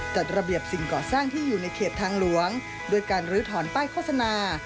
จัดระเบียบสิ่งก่อสร้างที่อยู่ในเขตทางหลวงด้วยการลื้อถอนป้ายโฆษณา